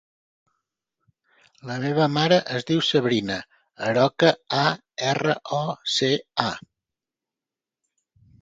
La meva mare es diu Sabrina Aroca: a, erra, o, ce, a.